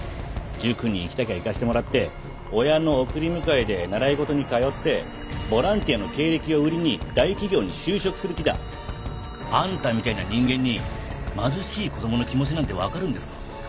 塾に行きたきゃ行かせてもらって親の送り迎えで習い事に通ってボランティアの経歴を売りに大企業に就職する気だ。あんたみたいな人間に貧しい子供の気持ちなんてわかるんですか？